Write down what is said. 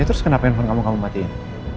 terus kenapa handphone kamu kamu matiin